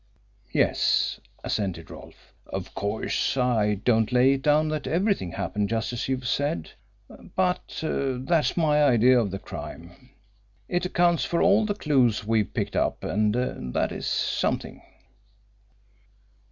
"Yes," assented Rolfe. "Of course, I don't lay it down that everything happened just as you've said. But that's my idea of the crime. It accounts for all the clues we've picked up, and that is something."